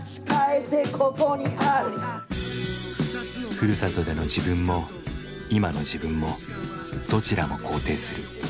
ふるさとでの自分も今の自分もどちらも肯定する。